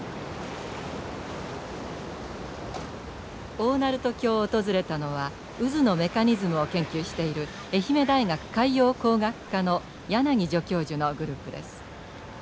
大鳴門橋を訪れたのは渦のメカニズムを研究している愛媛大学海洋工学科の柳助教授のグループです。